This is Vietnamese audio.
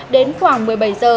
đến khoảng một mươi bảy h